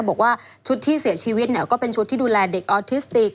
บอกว่าชุดที่เสียชีวิตเนี่ยก็เป็นชุดที่ดูแลเด็กออทิสติก